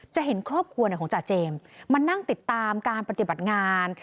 เห็นครอบครัวของจ่าเจมส์มานั่งติดตามการปฏิบัติงาน